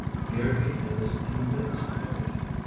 Here he is in the midst of it.